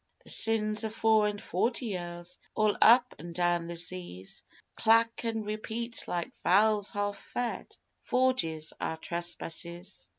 The sins o' four and forty years, all up an' down the seas, Clack an' repeat like valves half fed.... Forgie's our trespasses.